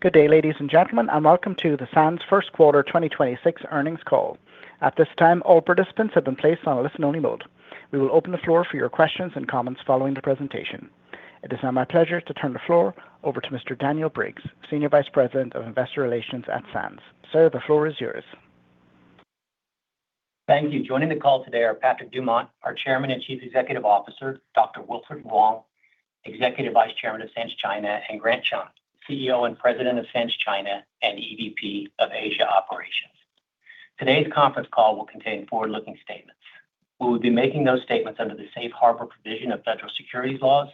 Good day, ladies and gentlemen, and welcome to the Las Vegas Sands First Quarter 2026 Earnings Call. At this time, all participants have been placed on a listen-only mode. We will open the floor for your questions and comments following the presentation. It is now my pleasure to turn the floor over to Mr. Daniel Briggs, Senior Vice President of Investor Relations at Las Vegas Sands. Sir, the floor is yours. Thank you. Joining the call today are Patrick Dumont, our Chairman and Chief Executive Officer, Dr. Wilfred Wong, Executive Vice Chairman of Sands China, and Grant Chum, CEO and President of Sands China and EVP of Asia Operations. Today's conference call will contain forward-looking statements. We will be making those statements under the safe harbor provision of federal securities laws.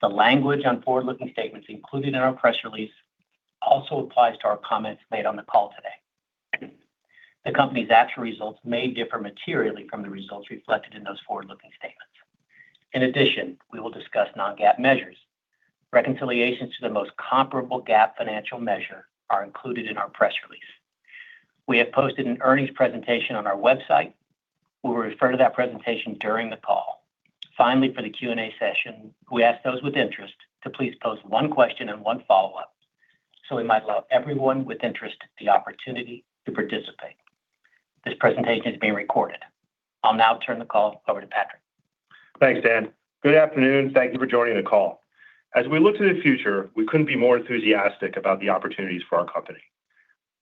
The language on forward-looking statements included in our press release also applies to our comments made on the call today. The company's actual results may differ materially from the results reflected in those forward-looking statements. In addition, we will discuss non-GAAP measures. Reconciliations to the most comparable GAAP financial measure are included in our press release. We have posted an earnings presentation on our website. We will refer to that presentation during the call. Finally, for the Q&A session, we ask those with interest to please pose one question and one follow-up, so we might allow everyone with interest the opportunity to participate. This presentation is being recorded. I'll now turn the call over to Patrick. Thanks, Dan. Good afternoon. Thank you for joining the call. As we look to the future, we couldn't be more enthusiastic about the opportunities for our company.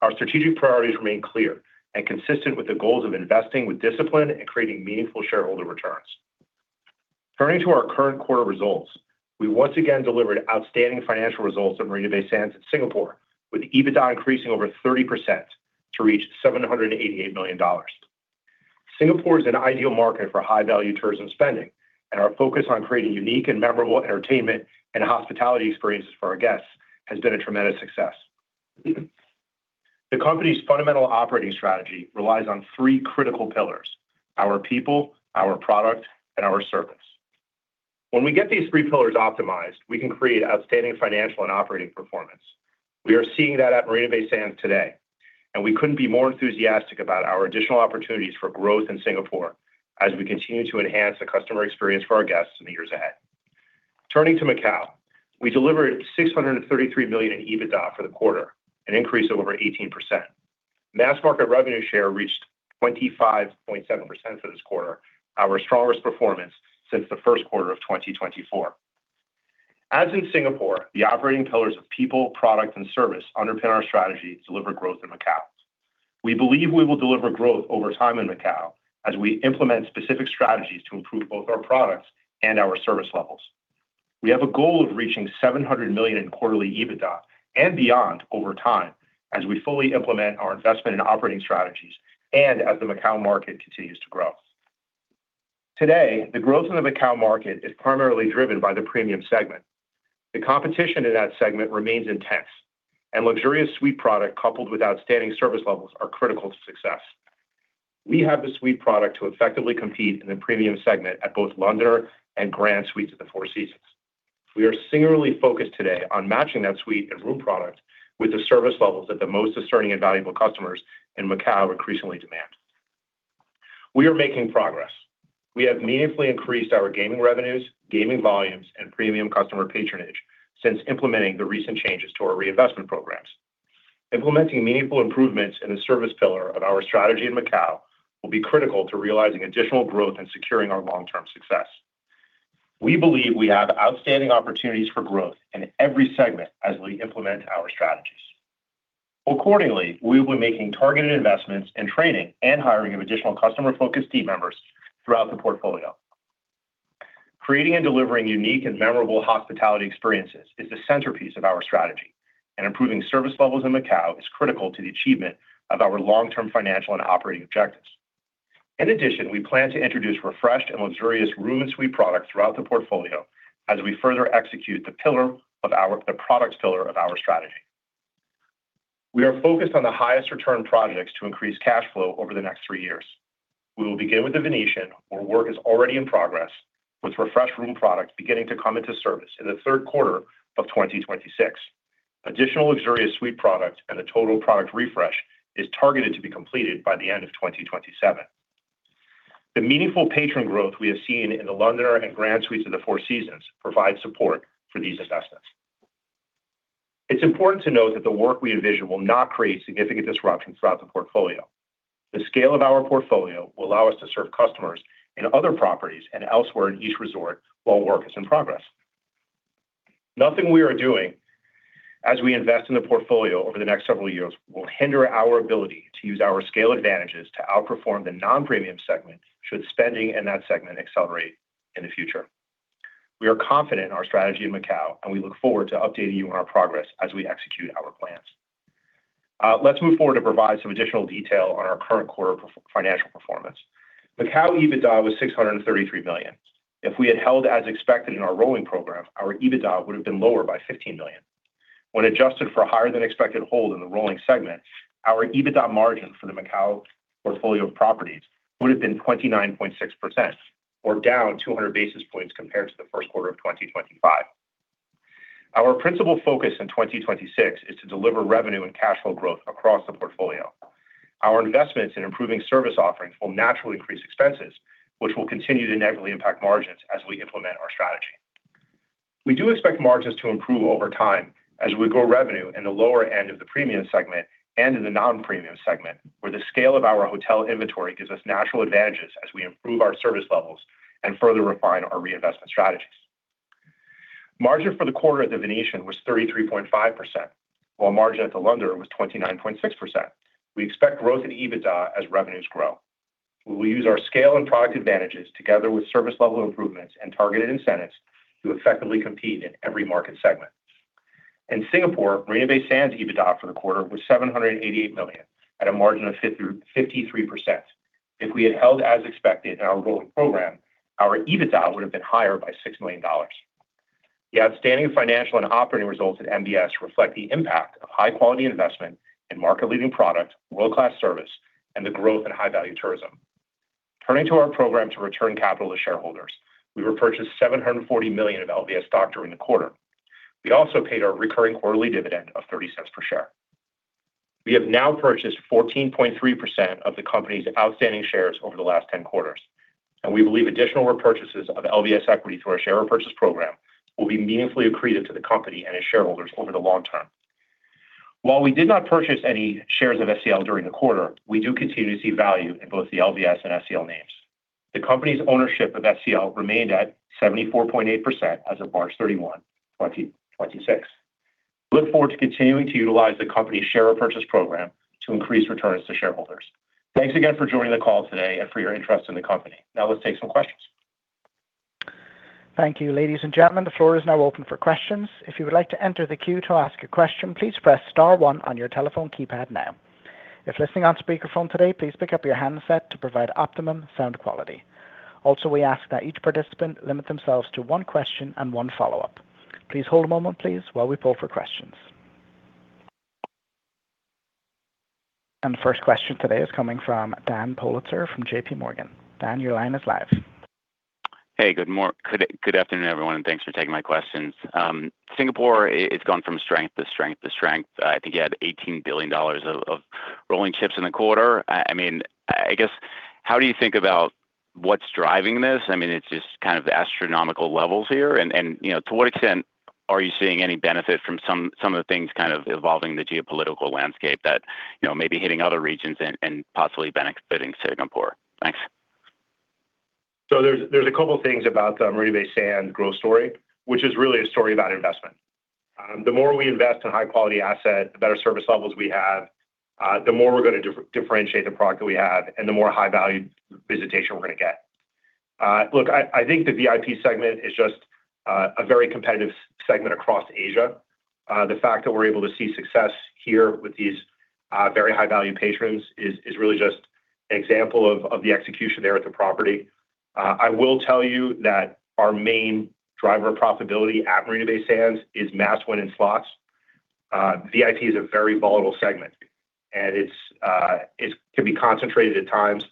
Our strategic priorities remain clear, and consistent with the goals of investing with discipline and creating meaningful shareholder returns. Turning to our current quarter results, we once again delivered outstanding financial results at Marina Bay Sands in Singapore, with EBITDA increasing over 30% to reach $788 million. Singapore is an ideal market for high-value tourism spending, and our focus on creating unique and memorable entertainment and hospitality experiences for our guests has been a tremendous success. The company's fundamental operating strategy relies on three critical pillars, our people, our product, and our service. When we get these three pillars optimized, we can create outstanding financial and operating performance. We are seeing that at Marina Bay Sands today, and we couldn't be more enthusiastic about our additional opportunities for growth in Singapore as we continue to enhance the customer experience for our guests in the years ahead. Turning to Macao, we delivered $633 million in EBITDA for the quarter, an increase of over 18%. Mass market revenue share reached 25.7% for this quarter, our strongest performance since the first quarter of 2024. As in Singapore, the operating pillars of people, product, and service underpin our strategy to deliver growth in Macao. We believe we will deliver growth over time in Macao as we implement specific strategies to improve both our products and our service levels. We have a goal of reaching $700 million in quarterly EBITDA and beyond over time as we fully implement our investment in operating strategies and as the Macao market continues to grow. Today, the growth in the Macao market is primarily driven by the premium segment. The competition in that segment remains intense, and luxurious suite product coupled with outstanding service levels are critical to success. We have the suite product to effectively compete in the premium segment at both Londoner and Grand Suites at the Four Seasons. We are singularly focused today on matching that suite and room product with the service levels that the most discerning, and valuable customers in Macao increasingly demand. We are making progress. We have meaningfully increased our gaming revenues, gaming volumes, and premium customer patronage since implementing the recent changes to our reinvestment programs. Implementing meaningful improvements in the service pillar of our strategy in Macao will be critical to realizing additional growth and securing our long-term success. We believe we have outstanding opportunities for growth in every segment as we implement our strategies. Accordingly, we will be making targeted investments in training, and hiring of additional customer-focused team members throughout the portfolio. Creating and delivering unique and memorable hospitality experiences is the centerpiece of our strategy, and improving service levels in Macao is critical to the achievement of our long-term financial and operating objectives. In addition, we plan to introduce refreshed, and luxurious room and suite products throughout the portfolio as we further execute the products pillar of our strategy. We are focused on the highest return projects to increase cash flow over the next three years. We will begin with The Venetian, where work is already in progress, with refreshed room products beginning to come into service in the third quarter of 2026. Additional luxurious suite product and a total product refresh is targeted to be completed by the end of 2027. The meaningful patron growth we have seen in The Londoner and Grand Suites at the Four Seasons provide support for these assessments. It's important to note that the work we envision will not create significant disruption throughout the portfolio. The scale of our portfolio will allow us to serve customers in other properties and elsewhere in each resort while work is in progress. Nothing we are doing as we invest in the portfolio over the next several years, will hinder our ability to use our scale advantages to outperform the non-premium segment should spending in that segment accelerate in the future. We are confident in our strategy in Macao, and we look forward to updating you on our progress as we execute our plans. Let's move forward to provide some additional detail on our current quarter financial performance. Macao EBITDA was $633 million. If we had held as expected in our rolling program, our EBITDA would have been lower by $15 million. When adjusted for higher than expected hold in the rolling segment, our EBITDA margin for the Macao portfolio of properties would have been 29.6% or down 200 basis points compared to the first quarter of 2025. Our principal focus in 2026 is to deliver revenue and cash flow growth across the portfolio. Our investments in improving service offerings will naturally increase expenses, which will continue to negatively impact margins as we implement our strategy. We do expect margins to improve over time as we grow revenue in the lower end of the premium segment and in the non-premium segment, where the scale of our hotel inventory gives us natural advantages as we improve our service levels and further refine our reinvestment strategies. Margin for the quarter at the Venetian was 33.5%, while margin at The Londoner was 29.6%. We expect growth in EBITDA as revenues grow. We will use our scale and product advantages together with service level improvements, and targeted incentives to effectively compete in every market segment. In Singapore, Marina Bay Sands EBITDA for the quarter was $788 million, at a margin of 53%. If we had held as expected in our rolling program, our EBITDA would have been higher by $6 million. The outstanding financial and operating results at MBS reflect the impact of high-quality investment in market-leading product, world-class service, and the growth in high-value tourism. Turning to our program to return capital to shareholders, we repurchased $740 million of LVS stock during the quarter. We also paid our recurring quarterly dividend of $0.30 per share. We have now purchased 14.3% of the company's outstanding shares over the last 10 quarters, and we believe additional repurchases of LVS equity through our share repurchase program will be meaningfully accretive to the company and its shareholders over the long term. While we did not purchase any shares of SCL during the quarter, we do continue to see value in both the LVS and SCL names. The company's ownership of SCL remained at 74.8% as of March 31, 2026. We look forward to continuing to utilize the company's share repurchase program to increase returns to shareholders. Thanks again for joining the call today and for your interest in the company. Now let's take some questions. Thank you. Ladies and gentlemen, the floor is now open for questions. If you would like to enter the queue to ask a question, please press star, one on your telephone keypad now. If listening on speakerphone today, please pick up your handset to provide optimum sound quality. Also, we ask that each participant limit themselves to one question and one follow-up. Please hold a moment while we poll for questions. The first question today is coming from Dan Politzer from J.P. Morgan. Dan, your line is live. Good afternoon, everyone, and thanks for taking my questions. Singapore, it's gone from strength to strength to strength. I think you had $18 billion of rolling chips in the quarter. I guess, how do you think about what's driving this? It's just kind of astronomical levels here. To what extent are you seeing any benefit from some of the things kind of evolving the geopolitical landscape that may be hitting other regions and possibly benefiting Singapore? Thanks. There's a couple things about the Marina Bay Sands growth story, which is really a story about investment. The more we invest in high quality asset, the better service levels we have, the more we're going to differentiate the product that we have, and the more high value visitation we're going to get. Look, I think the VIP segment is just a very competitive segment across Asia. The fact that we're able to see success here with these very high-value patrons is really just an example of the execution there at the property. I will tell you that our main driver of profitability at Marina Bay Sands is mass win in slots. VIP is a very volatile segment, and it can be concentrated at times.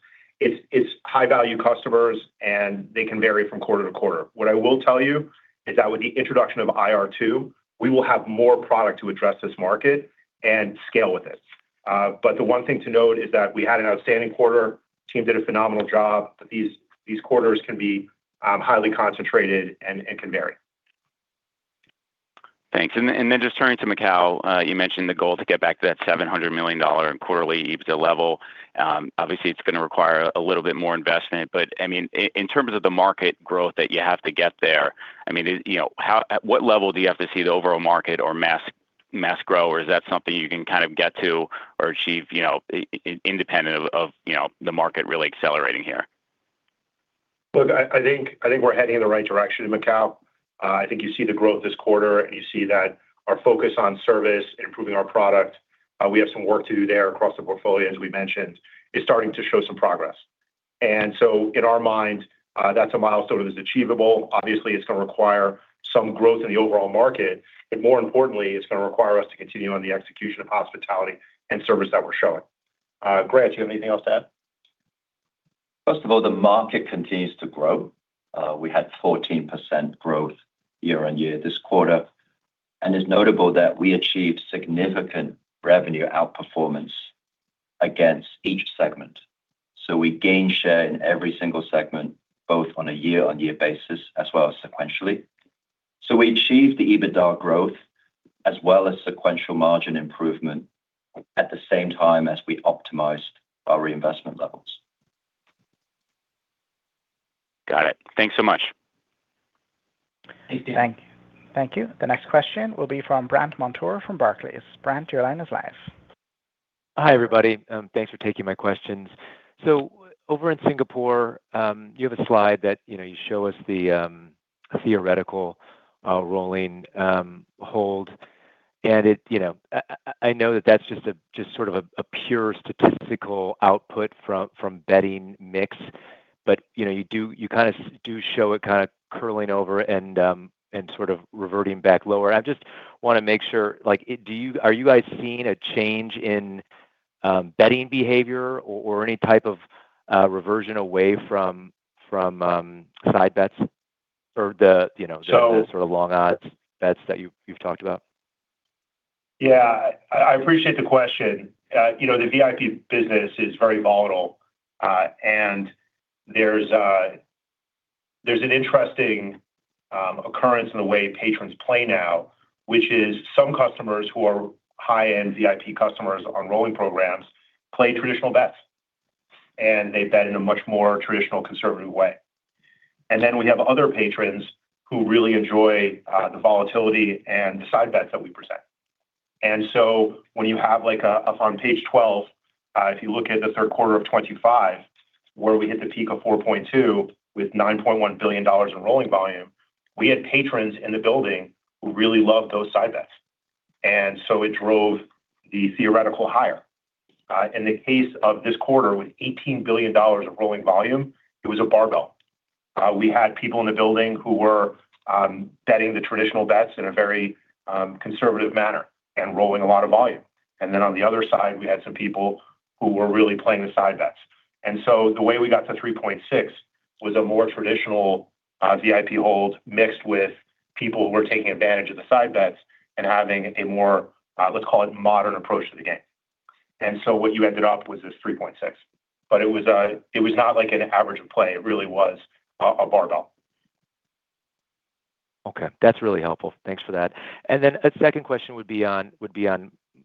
It's high-value customers, and they can vary from quarter to quarter. What I will tell you is that with the introduction of IR2, we will have more product to address this market and scale with it. The one thing to note is that we had an outstanding quarter, team did a phenomenal job, but these quarters can be highly concentrated and can vary. Thanks. Just turning to Macao, you mentioned the goal to get back to that $700 million in quarterly EBITDA level. Obviously, it's going to require a little bit more investment. In terms of the market growth that you have to get there, at what level do you have to see the overall market or mass grow? Is that something you can kind of get to, or achieve independent of the market really accelerating here? Look, I think we're heading in the right direction in Macao. I think you see the growth this quarter, and you see that our focus on service, improving our product, we have some work to do there across the portfolio, as we mentioned, is starting to show some progress. In our mind, that's a milestone that is achievable. Obviously, it's going to require some growth in the overall market. More importantly, it's going to require us to continue on the execution of hospitality and service that we're showing. Grant, do you have anything else to add? First of all, the market continues to grow. We had 14% growth year-over-year this quarter. It's notable that we achieved significant revenue outperformance against each segment. We gained share in every single segment, both on a year-over-year basis as well as sequentially. We achieved the EBITDA growth as well as sequential margin improvement at the same time as we optimized our reinvestment levels. Got it. Thanks so much. Thank you. Thank you. The next question will be from Brandt Montour from Barclays. Brandt, your line is live. Hi, everybody. Thanks for taking my questions. Over in Singapore, you have a slide that you show us the theoretical rolling hold, and I know that that's just sort of a pure statistical output from betting mix, but you kind of do show it kind of curling over and sort of reverting back lower. I just want to make sure, are you guys seeing a change in betting behavior or any type of reversion away from side bets, the sort of long odds bets that you've talked about? Yeah. I appreciate the question. The VIP business is very volatile. There's an interesting occurrence in the way patrons play now, which is some customers who are high-end VIP customers on rolling programs play traditional bets, and they bet in a much more traditional, conservative way. Then we have other patrons who really enjoy the volatility and the side bets that we present. When you have, like up on page 12, if you look at the third quarter of 2025, where we hit the peak of 4.2 with $9.1 billion in rolling volume, we had patrons in the building who really loved those side bets, and so it drove the theoretical higher. In the case of this quarter, with $18 billion of rolling volume, it was a barbell. We had people in the building who were betting the traditional bets in a very conservative manner and rolling a lot of volume. On the other side, we had some people who were really playing the side bets. The way we got to 3.6% was a more traditional VIP hold mixed with people who were taking advantage of the side bets and having a more, let's call it modern, approach to the game. What you ended up with is 3.6%. It was not like an average play. It really was a barbell. Okay. That's really helpful. Thanks for that. Then a second question would be on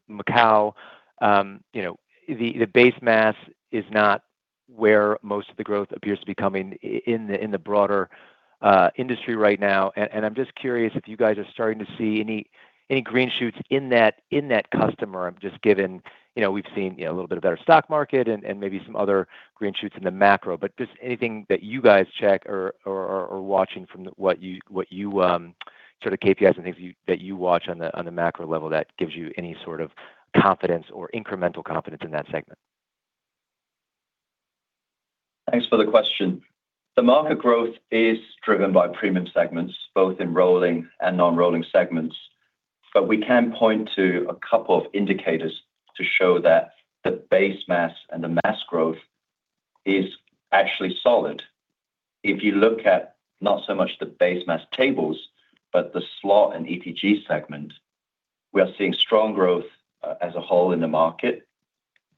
Macao. The base mass is not where most of the growth appears to be coming in the broader industry right now, and I'm just curious if you guys are starting to see any green shoots in that customer, just given we've seen a little bit of better stock market and maybe some other green shoots in the macro. Just anything that you guys check or are watching from the KPIs, and things that you watch on the macro level that gives you any sort of confidence or incremental confidence in that segment. Thanks for the question. The market growth is driven by premium segments, both in rolling and non-rolling segments. We can point to a couple of indicators to show that the base mass and the mass growth is actually solid. If you look at, not so much the base mass tables, but the slot and EPG segment, we are seeing strong growth, as a whole, in the market.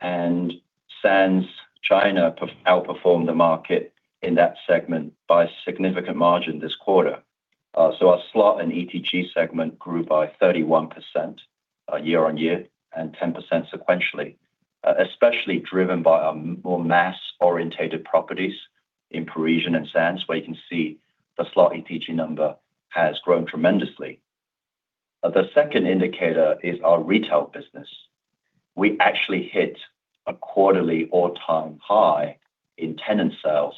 Sands China outperformed the market in that segment by a significant margin this quarter. Our slot and EPG segment grew by 31% year-over-year, and 10% sequentially. Especially driven by our more mass-oriented properties in Parisian and Sands, where you can see the slot EPG number has grown tremendously. The second indicator is our retail business. We actually hit a quarterly all-time high in tenant sales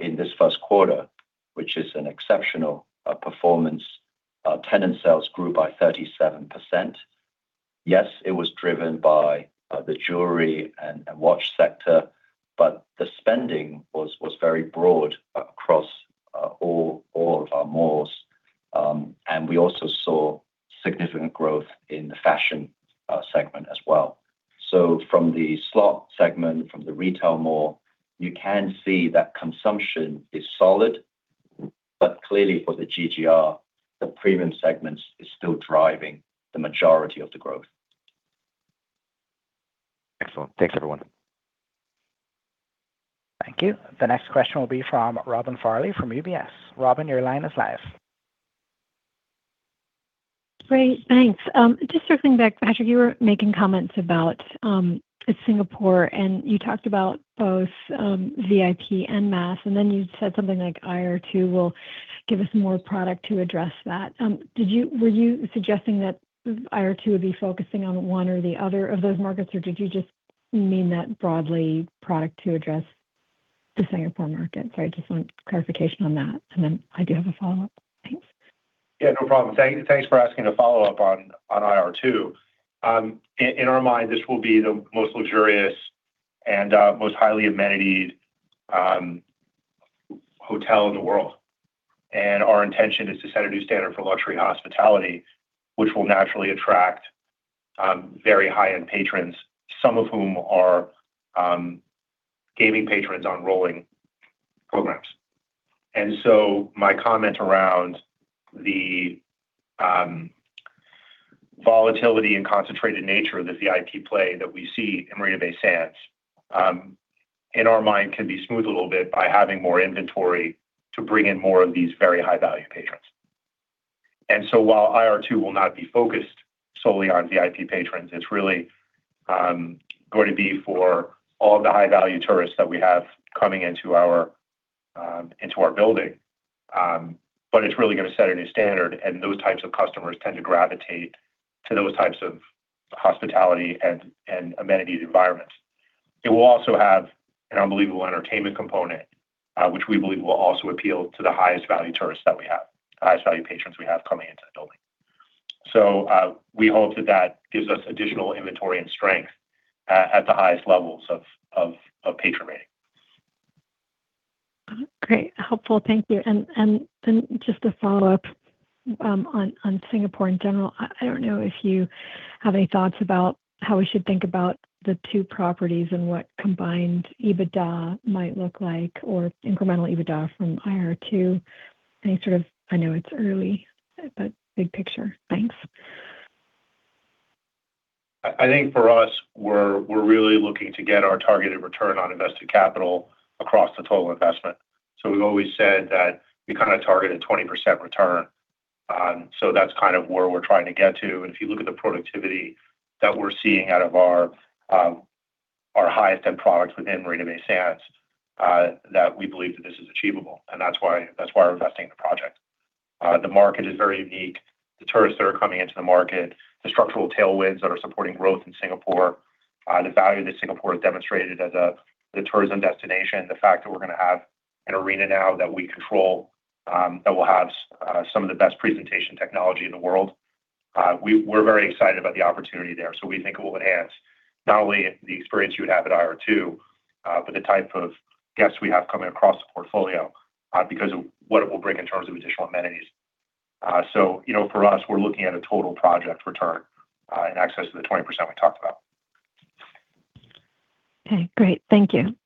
in this first quarter, which is an exceptional performance. Tenant sales grew by 37%. Yes, it was driven by the jewelry and watch sector, but the spending was very broad across all of our malls, and we also saw significant growth in the fashion segment as well. From the slot segment, from the retail mall, you can see that consumption is solid, but clearly for the GGR, the premium segments is still driving the majority of the growth. Excellent. Thanks, everyone. Thank you. The next question will be from Robin Farley from UBS. Robin, your line is live. Great, thanks. Just circling back, Patrick, you were making comments about Singapore, and you talked about both VIP and mass, and then you said something like IR2 will give us more product to address that. Were you suggesting that IR2 would be focusing on one or the other of those markets, or did you just mean that broadly, product to address the Singapore market? Sorry, just want clarification on that. Then I do have a follow-up. Thanks. Yeah, no problem. Thanks for asking to follow up on IR2. In our mind, this will be the most luxurious and most highly amenitied hotel in the world. Our intention is to set a new standard for luxury hospitality, which will naturally attract very high-end patrons, some of whom are gaming patrons on rolling programs. My comment around the volatility and concentrated nature of the VIP play that we see in Marina Bay Sands, in our mind, can be smoothed a little bit by having more inventory to bring in more of these very high-value patrons. While IR2 will not be focused solely on VIP patrons, it's really going to be for all the high-value tourists that we have coming into our building. It's really going to set a new standard, and those types of customers tend to gravitate to those types of hospitality and amenities environments. It will also have an unbelievable entertainment component, which we believe will also appeal to the highest value tourists that we have, the highest value patrons we have coming into the building. We hope that that gives us additional inventory and strength at the highest levels of patron rating. All right, great. Helpful. Thank you. Just a follow-up on Singapore in general, I don't know if you have any thoughts about how we should think about the two properties and what combined EBITDA might look like, or incremental EBITDA from IR2. I know it's early, but big picture. Thanks. I think for us, we're really looking to get our targeted return on invested capital across the total investment. We've always said that we kind of targeted 20% return. That's kind of where we're trying to get to, and if you look at the productivity that we're seeing out of our highest-end products within Marina Bay Sands, that we believe that this is achievable, and that's why we're investing in the project. The market is very unique. The tourists that are coming into the market, the structural tailwinds that are supporting growth in Singapore, the value that Singapore has demonstrated as the tourism destination, the fact that we're going to have an arena now that we control, that will have some of the best presentation technology in the world. We're very excited about the opportunity there. We think it will enhance not only the experience you would have at IR2, but the type of guests we have coming across the portfolio because of what it will bring in terms of additional amenities. For us, we're looking at a total project return in excess of the 20% we talked about. Okay, great. Thank you.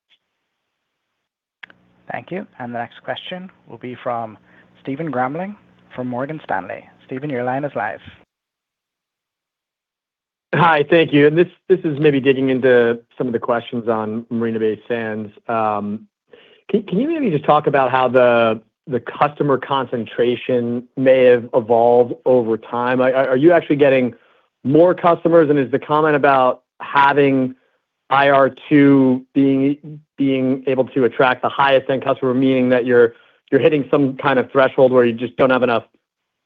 Thank you. The next question will be from Stephen Grambling, from Morgan Stanley. Stephen, your line is live. Hi, thank you. This is maybe digging into some of the questions on Marina Bay Sands. Can you maybe just talk about how the customer concentration may have evolved over time? Are you actually getting more customers, and is the comment about having IR2 being able to attract the highest-end customer, meaning that you're hitting some kind of threshold where you just don't have enough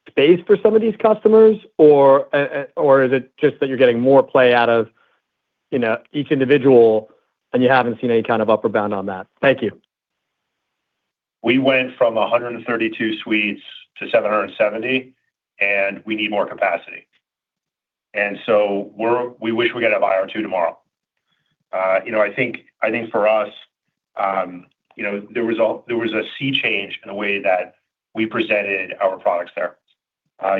space for some of these customers? Or is it just that you're getting more play out of each individual, and you haven't seen any kind of upper bound on that? Thank you. We went from 132 suites to 770, and we need more capacity. We wish we could have IR2 tomorrow. I think for us, there was a sea change in the way that we presented our products there.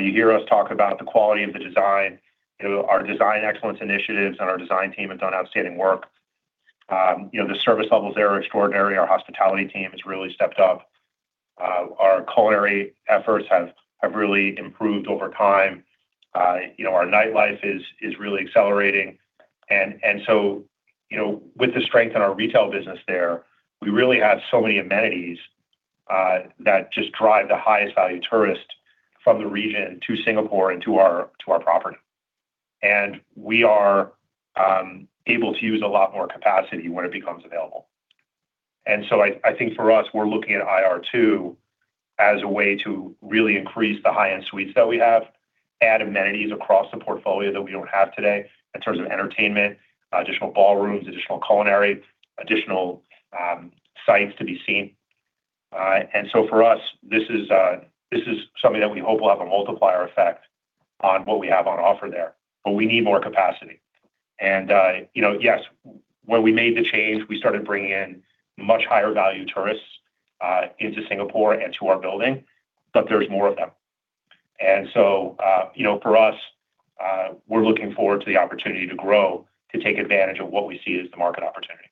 You hear us talk about the quality of the design. Our design excellence initiatives and our design team has done outstanding work. The service levels there are extraordinary. Our hospitality team has really stepped up. Our culinary efforts have really improved over time. Our nightlife is really accelerating. With the strength in our retail business there, we really have so many amenities that just drive the highest value tourist from the region to Singapore and to our property. We are able to use a lot more capacity when it becomes available. I think for us, we're looking at IR2 as a way to really increase the high-end suites that we have, add amenities across the portfolio that we don't have today in terms of entertainment, additional ballrooms, additional culinary, additional sights to be seen. For us, this is something that we hope will have a multiplier effect on what we have on offer there. We need more capacity. Yes, when we made the change, we started bringing in much higher value tourists into Singapore and to our building, but there's more of them. For us, we're looking forward to the opportunity to grow, to take advantage of what we see as the market opportunity.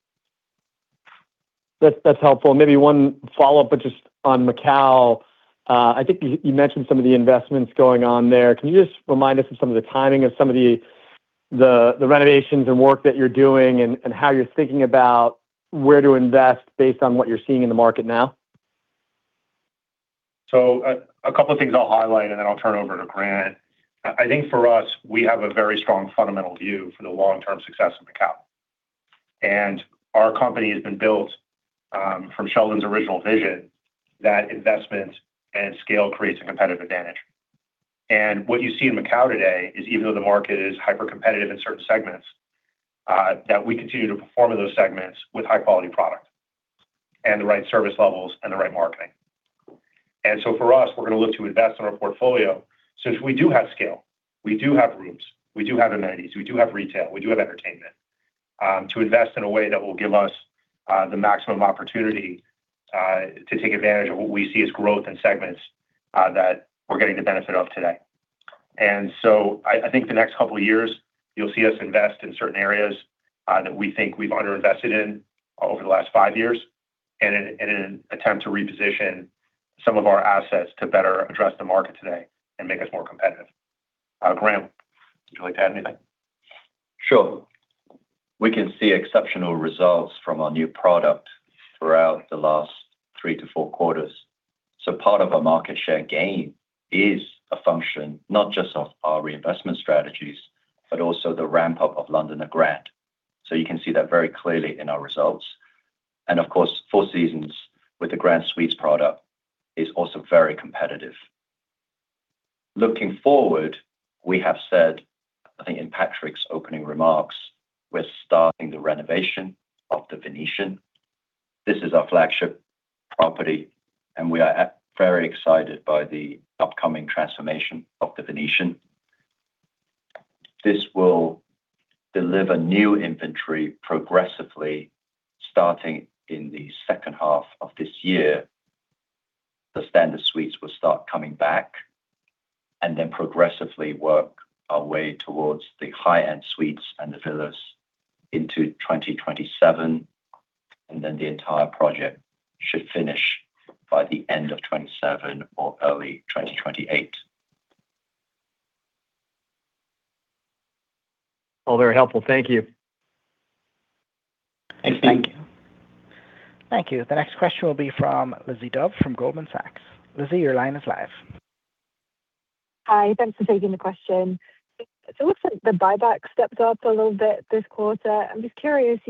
That's helpful. Maybe one follow-up, but just on Macao, I think you mentioned some of the investments going on there. Can you just remind us of some of the timing of some of the renovations and work that you're doing, and how you're thinking about where to invest based on what you're seeing in the market now? A couple of things I'll highlight, and then I'll turn over to Grant. I think for us, we have a very strong fundamental view for the long-term success of Macao. Our company has been built, from Sheldon's original vision, that investment and scale creates a competitive advantage. What you see in Macao today is even though the market is hyper-competitive in certain segments, that we continue to perform in those segments with high-quality product, and the right service levels, and the right marketing. For us, we're going to look to invest in our portfolio, since we do have scale, we do have rooms, we do have amenities, we do have retail, we do have entertainment to invest in a way that will give us the maximum opportunity to take advantage of what we see as growth in segments that we're getting the benefit of today. I think the next couple of years, you'll see us invest in certain areas that we think we've under-invested in over the last five years, and in an attempt to reposition some of our assets to better address the market today and make us more competitive. Grant, would you like to add anything? Sure. We can see exceptional results from our new product throughout the last three to four quarters. Part of our market share gain is a function not just of our reinvestment strategies, but also the ramp-up of Londoner Grand. You can see that very clearly in our results. Of course, Four Seasons with the Grand Suites product is also very competitive. Looking forward, we have said, I think in Patrick's opening remarks, we're starting the renovation of the Venetian. This is our flagship property, and we are very excited by the upcoming transformation of the Venetian. This will deliver new inventory progressively starting in the second half of this year. The standard suites will start coming back and then progressively work our way towards the high-end suites and the villas into 2027, and then the entire project should finish by the end of 2027 or early 2028. All very helpful. Thank you. Thank you. Thank you. The next question will be from Lizzie Dove from Goldman Sachs. Lizzie, your line is live. Hi. Thanks for taking the question. It looks like the buyback stepped up a little bit this quarter. I'm just curious,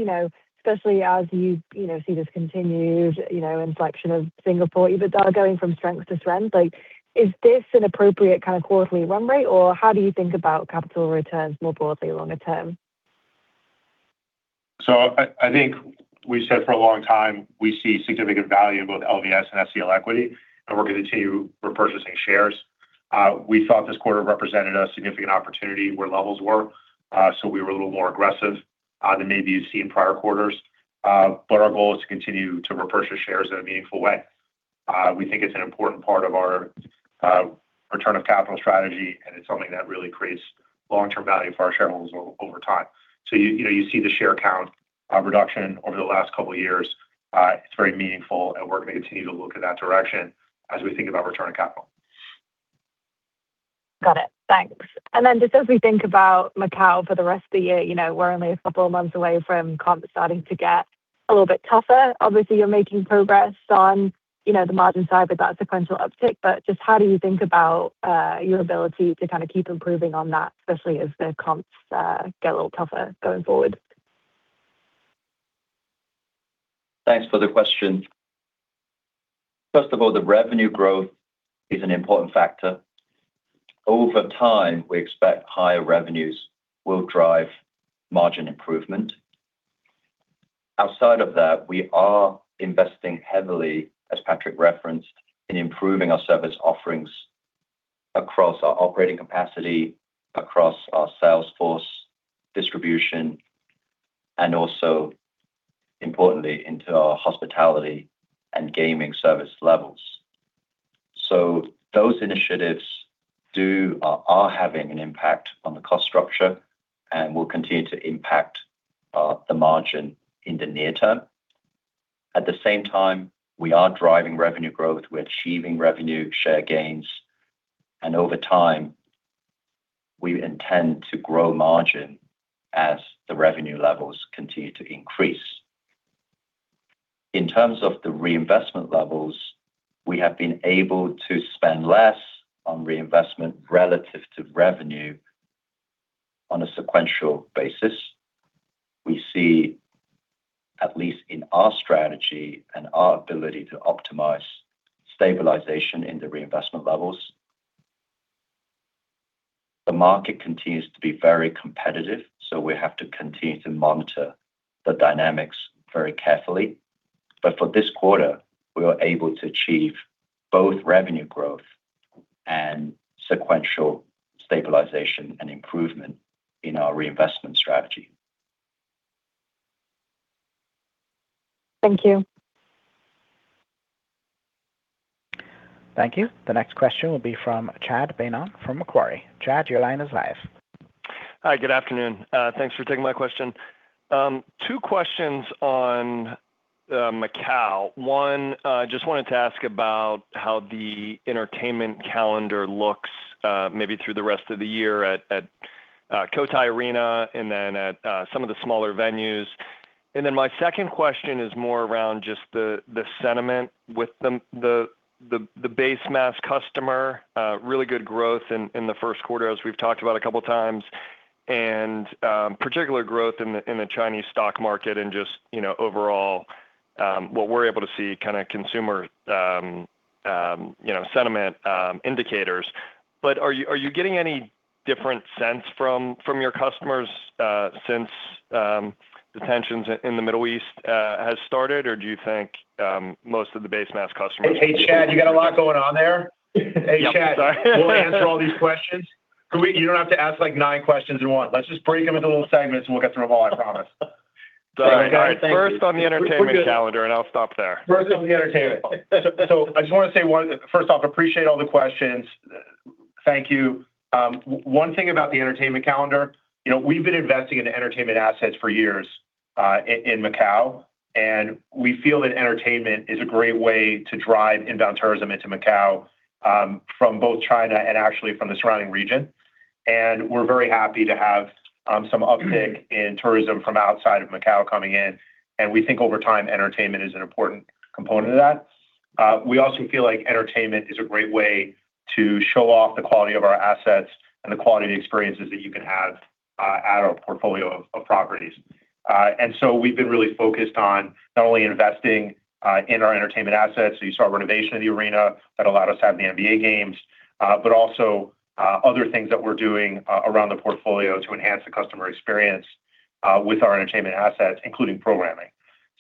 especially as you see this continued inflection of Singapore, you've been going from strength to strength. Is this an appropriate kind of quarterly run rate, or how do you think about capital returns more broadly longer term? I think we said for a long time we see significant value in both LVS and SCL equity, and we're going to continue repurchasing shares. We thought this quarter represented a significant opportunity where levels were, so we were a little more aggressive than maybe you've seen prior quarters. Our goal is to continue to repurchase shares in a meaningful way. We think it's an important part of our return of capital strategy, and it's something that really creates long-term value for our shareholders over time. You see the share count reduction over the last couple of years. It's very meaningful, and we're going to continue to look in that direction as we think about return on capital. Got it. Thanks. Just as we think about Macao for the rest of the year, we're only a couple of months away from comp starting to get a little bit tougher. Obviously, you're making progress on the margin side with that sequential uptick, but just how do you think about your ability to keep improving on that, especially as the comps get a little tougher going forward? Thanks for the question. First of all, the revenue growth is an important factor. Over time, we expect higher revenues will drive margin improvement. Outside of that, we are investing heavily, as Patrick referenced, in improving our service offerings across our operating capacity, across our sales force distribution, and also importantly, into our hospitality and gaming service levels. Those initiatives are having an impact on the cost structure and will continue to impact the margin in the near term. At the same time, we are driving revenue growth, we're achieving revenue share gains, and over time, we intend to grow margin as the revenue levels continue to increase. In terms of the reinvestment levels, we have been able to spend less on reinvestment relative to revenue on a sequential basis. We see, at least in our strategy and our ability to optimize stabilization in the reinvestment levels. The market continues to be very competitive, so we have to continue to monitor the dynamics very carefully. For this quarter, we were able to achieve both revenue growth and sequential stabilization, and improvement in our reinvestment strategy. Thank you. Thank you. The next question will be from Chad Beynon from Macquarie. Chad, your line is live. Hi. Good afternoon. Thanks for taking my question. Two questions on Macao. One, just wanted to ask about how the entertainment calendar looks, maybe through the rest of the year at Cotai Arena and then at some of the smaller venues. My second question is more around just the sentiment with the base mass customer. Really good growth in the first quarter, as we've talked about a couple of times, and particular growth in the Chinese stock market and just overall, what we're able to see consumer sentiment indicators. Are you getting any different sense from your customers since the tensions in the Middle East has started? Hey, Chad, you got a lot going on there. Yep. Sorry. Hey, Chad. We'll answer all these questions. You don't have to ask nine questions in one. Let's just break them into little segments, and we'll get through them all, I promise. All right, guys. Thank you. First on the entertainment calendar, and I'll stop there. First on the entertainment. I just want to say, first off, I appreciate all the questions. Thank you. One thing about the entertainment calendar, we've been investing in entertainment assets for years in Macao, and we feel that entertainment is a great way to drive inbound tourism into Macao from both China and actually from the surrounding region. We're very happy to have some uptick in tourism from outside of Macao coming in, and we think over time, entertainment is an important component of that. We also feel like entertainment is a great way to show off the quality of our assets and the quality of the experiences that you can have at our portfolio of properties. We've been really focused on not only investing in our entertainment assets, so you saw renovation of the arena that allowed us to have the NBA games, but also other things that we're doing around the portfolio to enhance the customer experience with our entertainment assets, including programming.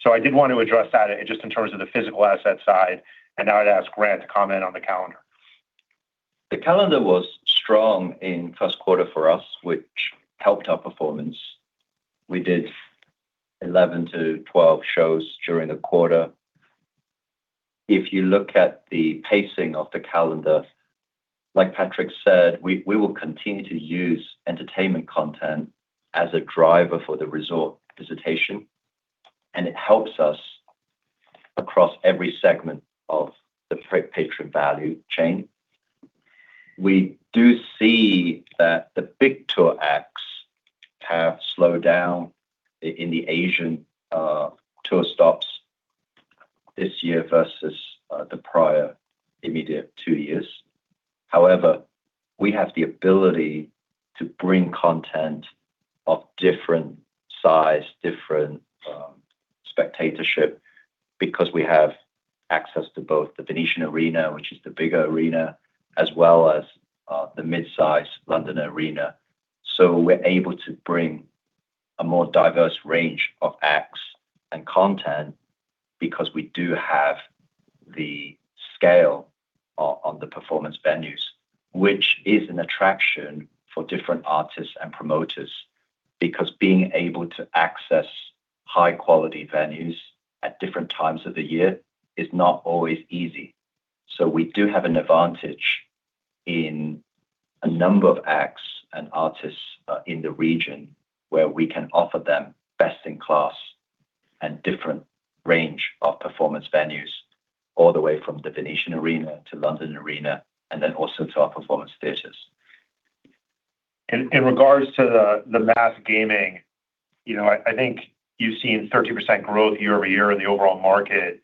I did want to address that just in terms of the physical asset side, and now I'd ask Grant to comment on the calendar. The calendar was strong in first quarter for us, which helped our performance. We did 11-12 shows during the quarter. If you look at the pacing of the calendar, like Patrick said, we will continue to use entertainment content as a driver for the resort visitation, and it helps us across every segment of the patron value chain. We do see that the big tour acts have slowed down in the Asian tour stops this year versus the prior immediate two years. However, we have the ability to bring content of different size, different spectatorship, because we have access to both the Venetian Arena, which is the bigger arena, as well as the mid-size Londoner Arena. We're able to bring a more diverse range of acts and content because we do have the scale on the performance venues, which is an attraction for different artists and promoters, because being able to access high-quality venues at different times of the year is not always easy. We do have an advantage in a number of acts, and artists in the region where we can offer them best in class and different range of performance venues all the way from the Venetian Arena to the Londoner Arena, and then also to our performance theaters. In regards to the mass gaming, I think you've seen 30% growth year-over-year in the overall market.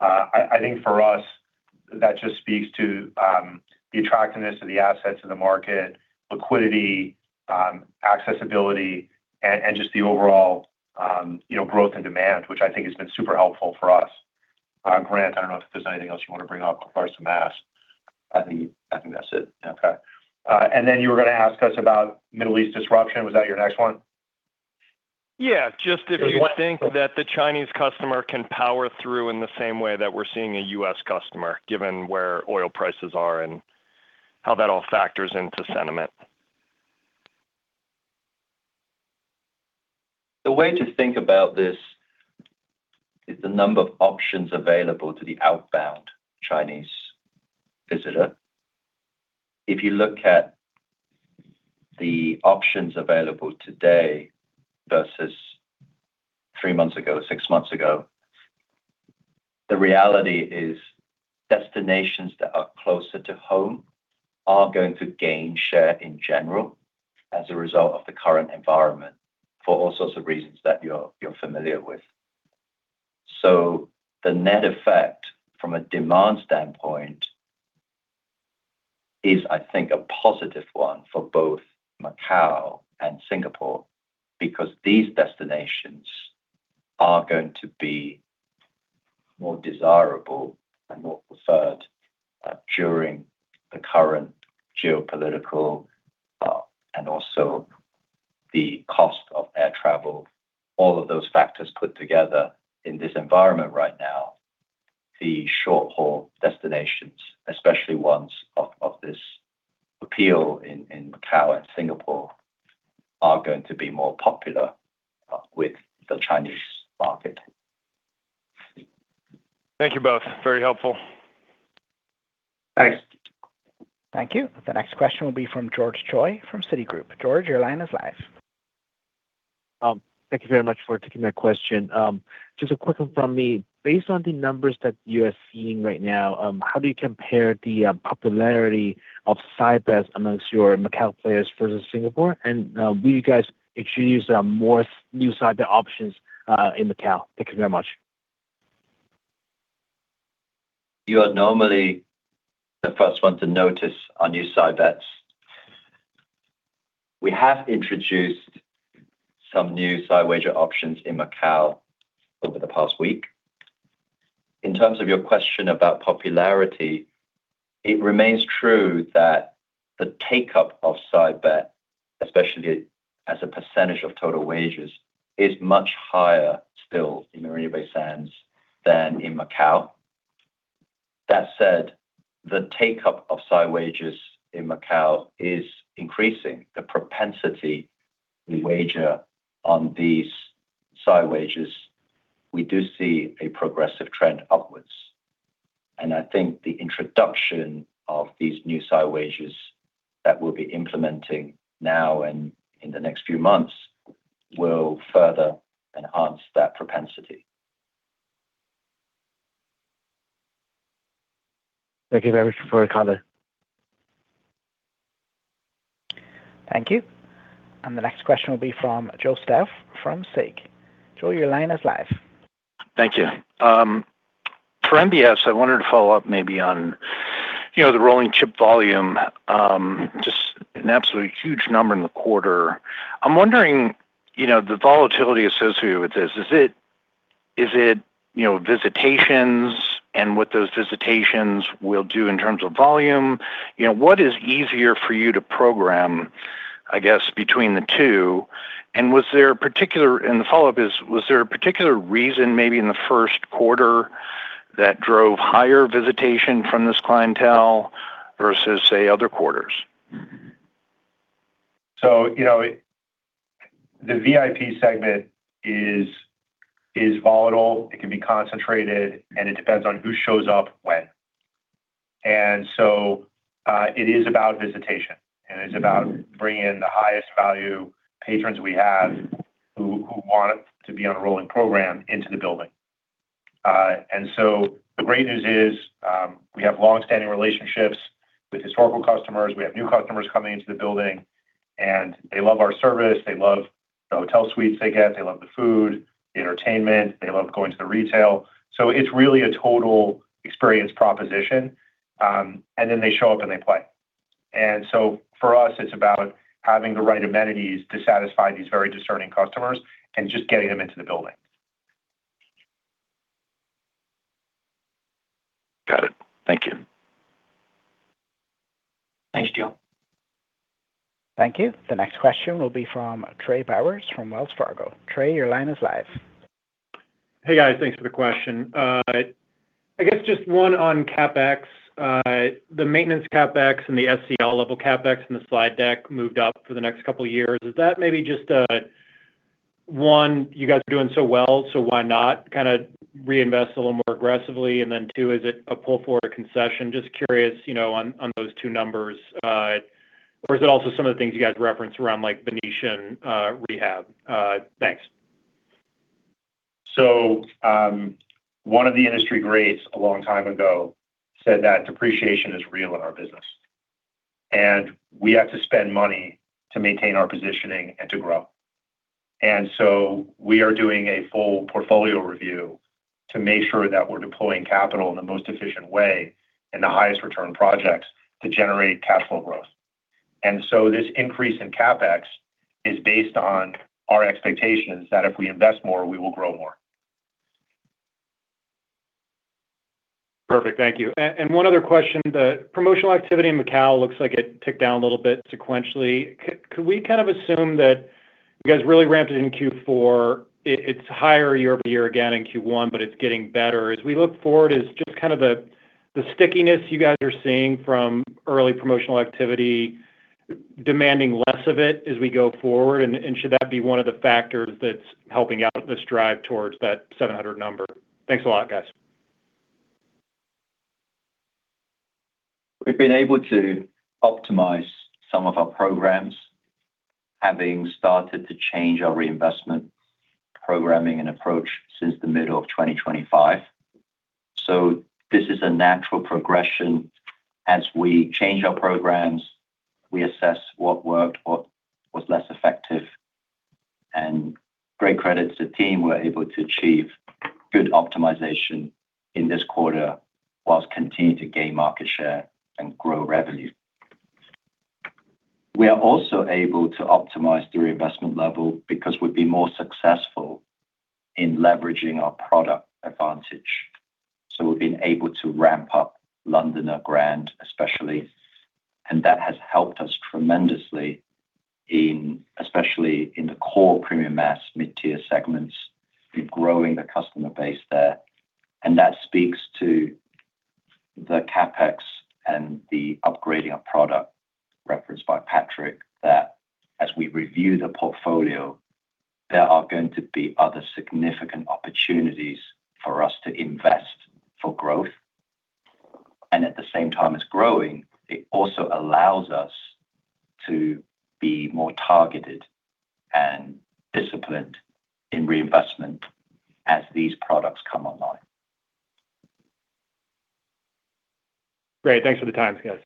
I think for us, that just speaks to the attractiveness of the assets in the market, liquidity, accessibility, and just the overall growth and demand, which I think has been super helpful for us. Grant, I don't know if there's anything else you want to bring up as far as the mass. I think that's it. Okay, and then you were going to ask us about Middle East disruption, was that your next one? Yeah. Just if you think that the Chinese customer can power through in the same way that we're seeing a U.S. customer, given where oil prices are and how that all factors into sentiment. The way to think about this is the number of options available to the outbound Chinese visitor. If you look at the options available today versus three months ago, six months ago, the reality is destinations that are closer to home are going to gain share in general as a result of the current environment for all sorts of reasons that you're familiar with. The net effect from a demand standpoint is, I think a positive one for both Macao and Singapore because these destinations are going to be more desirable and more preferred during the current geopolitical, and also the cost of air travel. All of those factors put together in this environment right now, the short-haul destinations, especially ones of this appeal in Macao and Singapore, are going to be more popular with the Chinese market. Thank you both. Very helpful. Thanks. Thank you. The next question will be from George Choi from Citigroup. George, your line is live. Thank you very much for taking my question. Just a quick one from me. Based on the numbers that you are seeing right now, how do you compare the popularity of side bets amongst your Macao players versus Singapore? Will you guys introduce more new side bet options in Macao? Thank you very much. You are normally the first one to notice our new side bets. We have introduced some new side wager options in Macao over the past week. In terms of your question about popularity, it remains true that the take-up of side bet, especially as a percentage of total wagers, is much higher still in Marina Bay Sands than in Macao. That said, the take-up of side wagers in Macao is increasing. The propensity to wager on these side wagers, we do see a progressive trend upwards. I think the introduction of these new side wagers that we'll be implementing now, and in the next few months will further enhance that propensity. Thank you very much for your comment. Thank you. The next question will be from Joe Stauff from Susquehanna. Joe, your line is live. Thank you. For MBS, I wanted to follow up maybe on the rolling chip volume. Just an absolutely huge number in the quarter. I'm wondering, the volatility associated with this, is it visitations and what those visitations will do in terms of volume? What is easier for you to program, I guess, between the two? The follow-up is, was there a particular reason, maybe in the first quarter, that drove higher visitation from this clientele versus say other quarters? The VIP segment is volatile, it can be concentrated, and it depends on who shows up when. It is about visitation, and it's about bringing in the highest value patrons we have who want to be on a rolling program into the building. The great news is, we have longstanding relationships with historical customers. We have new customers coming into the building, and they love our service, they love the hotel suites they get, they love the food, the entertainment, they love going to the retail. It's really a total experience proposition. Then they show up, and they play. For us, it's about having the right amenities to satisfy these very discerning customers and just getting them into the building. Got it. Thank you. Thanks, Joe. Thank you. The next question will be from Trey Bowers from Wells Fargo. Trey, your line is live. Hey, guys. Thanks for the question. I guess just one on CapEx. The maintenance CapEx and the SCL level CapEx in the slide deck moved up for the next couple of years. Is that maybe just, one, you guys are doing so well, so why not reinvest a little more aggressively? Then two, is it a pull-forward concession? Just curious on those two numbers. Is it also some of the things you guys referenced around Venetian rehab? Thanks. One of the industry greats a long time ago said that depreciation is real in our business, and we have to spend money to maintain our positioning and to grow. We are doing a full portfolio review to make sure that we're deploying capital in the most efficient way, in the highest return projects to generate capital growth. This increase in CapEx is based on our expectations that if we invest more, we will grow more. Perfect. Thank you. One other question. The promotional activity in Macao looks like it ticked down a little bit sequentially. Could we kind of assume that you guys really ramped it in Q4? It's higher year-over-year again in Q1, but it's getting better. As we look forward, is just kind of the stickiness you guys are seeing from early promotional activity demanding less of it as we go forward, and should that be one of the factors that's helping out this drive towards that 700 number? Thanks a lot, guys. We've been able to optimize some of our programs, having started to change our reinvestment programming and approach since the middle of 2025. This is a natural progression. As we change our programs, we assess what worked, what was less effective, and great credit to the team, we're able to achieve good optimization in this quarter while continuing to gain market share and grow revenue. We are also able to optimize the reinvestment level, because we'd be more successful in leveraging our product advantage. We've been able to ramp up Londoner Grand especially, and that has helped us tremendously, especially in the core premium mass, mid-tier segments in growing the customer base there. That speaks to the CapEx and the upgrading of product referenced by Patrick, that as we review the portfolio, there are going to be other significant opportunities for us to invest for growth. At the same time it's growing, it also allows us to be more targeted and disciplined in reinvestment as these products come online. Great. Thanks for the time, guys.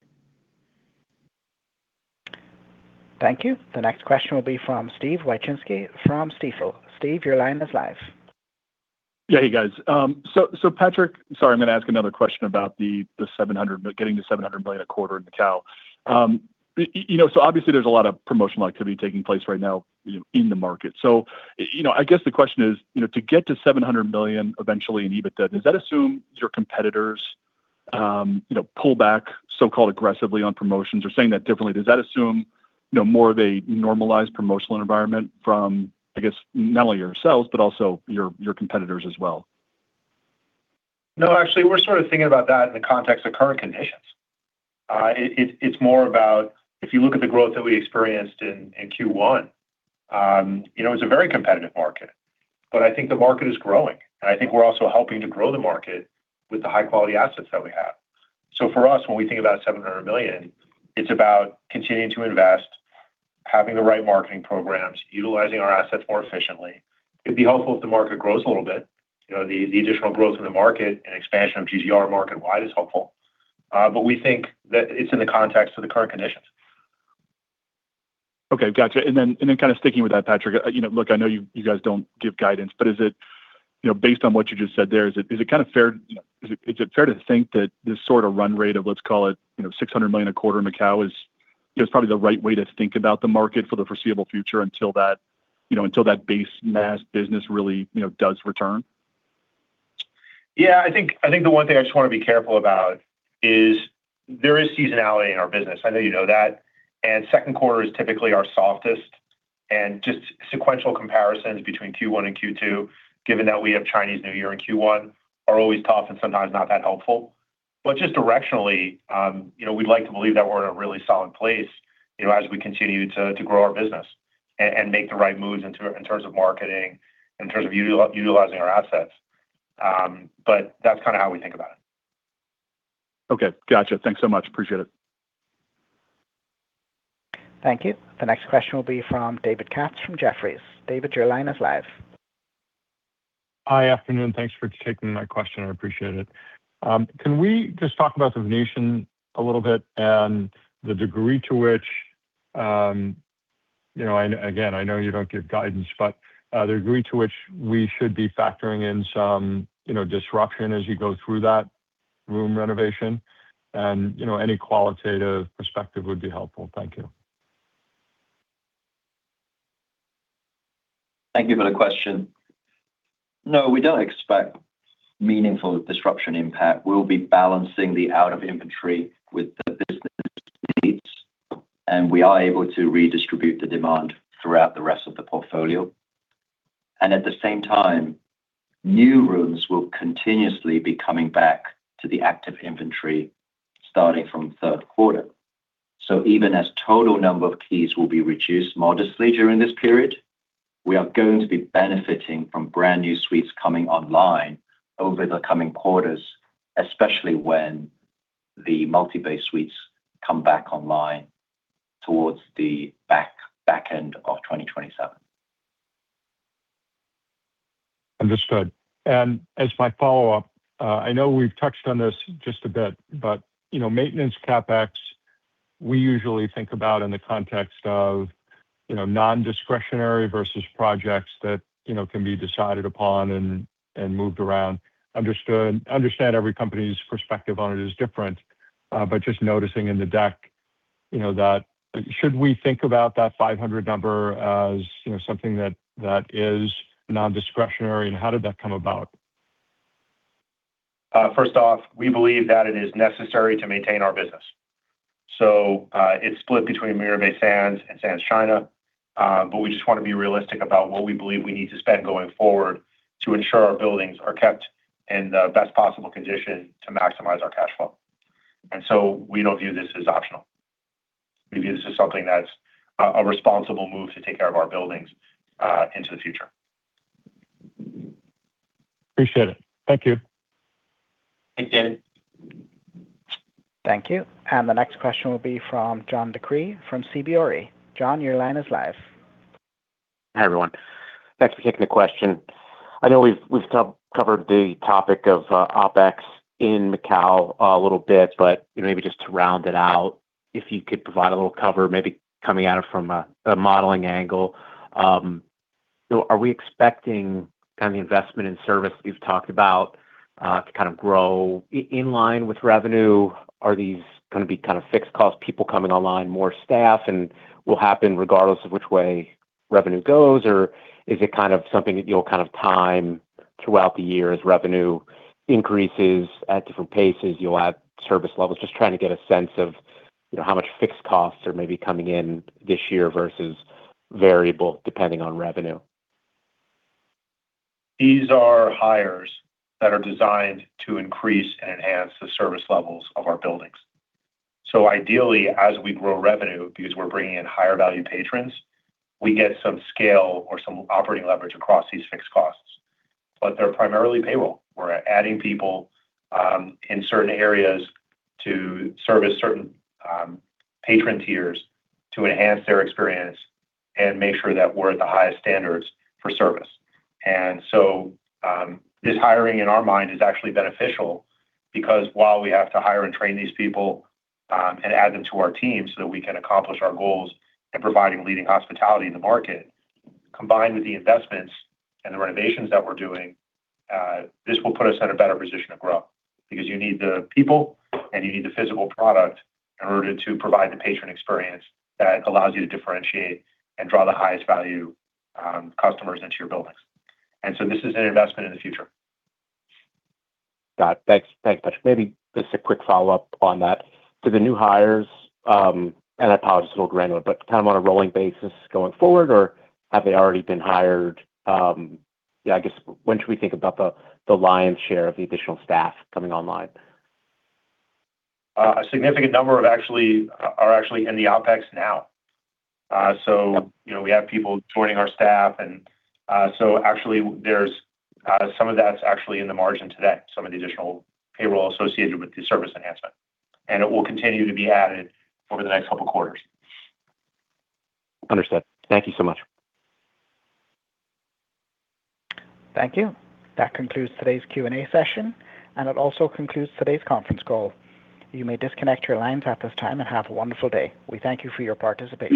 Thank you. The next question will be from Steven Wieczynski from Stifel. Steve, your line is live. Yeah. Hey, guys. Patrick, sorry, I'm going to ask another question about the getting to $700 million a quarter in Macao. Obviously there's a lot of promotional activity taking place right now in the market. I guess the question is, to get to $700 million eventually in EBITDA, does that assume your competitors pull back so-called aggressively on promotions? Saying that differently, does that assume more of a normalized promotional environment from, I guess, not only yourselves, but also your competitors as well? No, actually, we're sort of thinking about that in the context of current conditions. It's more about if you look at the growth that we experienced in Q1, it's a very competitive market, but I think the market is growing, and I think we're also helping to grow the market with the high-quality assets that we have. For us, when we think about $700 million, it's about continuing to invest, having the right marketing programs, utilizing our assets more efficiently. It'd be helpful if the market grows a little bit. The additional growth in the market and expansion of GGR market-wide is helpful, but we think that it's in the context of the current conditions. Okay, got you. Kind of sticking with that, Patrick, look, I know you guys don't give guidance, but based on what you just said there, is it fair to think that this sort of run rate of, let's call it, $600 million a quarter in Macao is probably the right way to think about the market for the foreseeable future until that base mass business really does return? Yeah, I think the one thing I just want to be careful about is there is seasonality in our business. I know you know that. Second quarter is typically our softest and just sequential comparisons between Q1 and Q2, given that we have Chinese New Year in Q1, are always tough and sometimes not that helpful. Just directionally, we'd like to believe that we're in a really solid place, as we continue to grow our business and make the right moves in terms of marketing, in terms of utilizing our assets. That's kind of how we think about it. Okay, got you. Thanks so much. Appreciate it. Thank you. The next question will be from David Katz from Jefferies. David, your line is live. Hi. Afternoon. Thanks for taking my question. I appreciate it. Can we just talk about the Venetian a little bit and again, I know you don't give guidance, but the degree to which we should be factoring in some disruption as you go through that room renovation? Any qualitative perspective would be helpful. Thank you. Thank you for the question. No, we don't expect meaningful disruption impact. We'll be balancing the out of inventory with the business needs, and we are able to redistribute the demand throughout the rest of the portfolio. At the same time, new rooms will continuously be coming back to the active inventory starting from third quarter. Even as total number of keys will be reduced modestly during this period, we are going to be benefiting from brand-new suites coming online over the coming quarters, especially when the multi-bay suites come back online towards the back end of 2027. Understood. As my follow-up, I know we've touched on this just a bit, but maintenance CapEx, we usually think about in the context of non-discretionary versus projects that can be decided upon and moved around. I understand every company's perspective on it is different. Just noticing in the deck, should we think about that $500 number as something that is non-discretionary, and how did that come about? First off, we believe that it is necessary to maintain our business. It's split between Marina Bay Sands and Sands China. We just want to be realistic about what we believe we need to spend going forward to ensure our buildings are kept in the best possible condition to maximize our cash flow. We don't view this as optional. We view this as something that's a responsible move to take care of our buildings into the future. Appreciate it. Thank you. Thanks, David. Thank you. The next question will be from John DeCree from CBRE. John, your line is live. Hi, everyone. Thanks for taking the question. I know we've covered the topic of OpEx in Macao a little bit, but maybe just to round it out, if you could provide a little cover, maybe coming at it from a modeling angle. Are we expecting kind of the investment in service we've talked about to kind of grow in line with revenue? Are these going to be kind of fixed costs, people coming online, more staff, and will happen regardless of which way revenue goes? Or is it kind of something that you'll kind of time throughout the year as revenue increases at different paces, you'll add service levels? Just trying to get a sense of how much fixed costs are maybe coming in this year versus variable, depending on revenue. These are hires that are designed to increase and enhance the service levels of our buildings. Ideally, as we grow revenue, because we're bringing in higher-value patrons, we get some scale or some operating leverage across these fixed costs. They're primarily payroll. We're adding people in certain areas to service certain patron tiers to enhance their experience, and make sure that we're at the highest standards for service. This hiring in our mind is actually beneficial because while we have to hire and train these people, and add them to our team so that we can accomplish our goals in providing leading hospitality in the market, combined with the investments and the renovations that we're doing, this will put us in a better position to grow. Because you need the people and you need the physical product in order to provide the patron experience that allows you to differentiate, and draw the highest value customers into your buildings. This is an investment in the future. Got it. Thanks. Thanks a bunch. Maybe just a quick follow-up on that. Do the new hires, and I apologize, it's a little granular, but kind of on a rolling basis going forward or have they already been hired? I guess, when should we think about the lion's share of the additional staff coming online? A significant number are actually in the OpEx now. We have people joining our staff, and so some of that's actually in the margin today, some of the additional payroll associated with the service enhancement. It will continue to be added over the next couple of quarters. Understood. Thank you so much. Thank you. That concludes today's Q&A session, and it also concludes today's conference call. You may disconnect your lines at this time and have a wonderful day. We thank you for your participation.